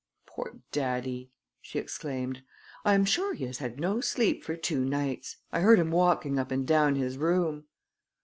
"Poor daddy!" she exclaimed. "I am sure he has had no sleep for two nights. I heard him walking up and down his room."